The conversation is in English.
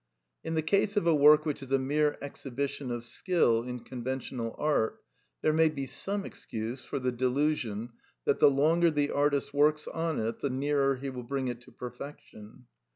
In the case of a work which is a mere exhibition of skill in conventional art, there may be some excuse for the delusion that the longer the artist works on it the nearer he will bring it to perfection.